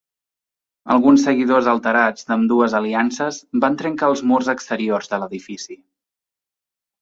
Alguns seguidors alterats d'ambdues aliances van trencar els murs exteriors de l'edifici.